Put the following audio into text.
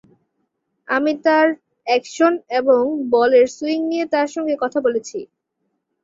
আমি তার অ্যাকশন এবং বলের সুইং নিয়ে তার সঙ্গে কথা বলেছি।